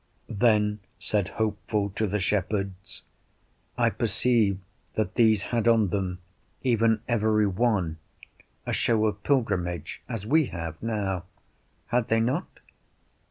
Then said Hopeful to the shepherds, I perceive that these had on them, even every one, a show of pilgrimage, as we have now: had they not?